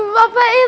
bapak ibu dimana